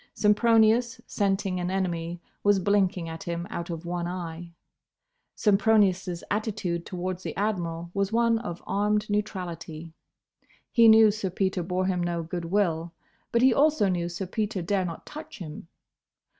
Sempronius, scenting an enemy, was blinking at him out of one eye. Sempronius' attitude towards the Admiral was one of armed neutrality. He knew Sir Peter bore him no good will, but he also knew Sir Peter dare not touch him.